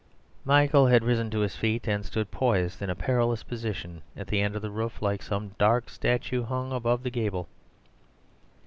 Michael had risen to his feet, and stood poised in a perilous position at the end of the roof, like some dark statue hung above its gable.